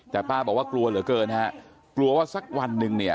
แต่ป้าบอกว่ากลัวเหลือเกินฮะกลัวว่าสักวันหนึ่งเนี่ย